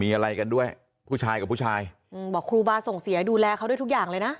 มีอะไรกันด้วยผู้ชายกับผู้ชายอืมบอกครูบาส่งเสียดูแลเขาด้วยทุกอย่างเลยนะ